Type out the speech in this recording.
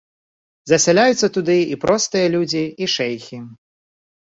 Засяляюцца туды і простыя людзі, і шэйхі.